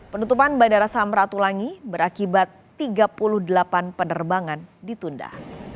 penutupan bandara samratulangi berakibat tiga puluh delapan penerbangan ditunda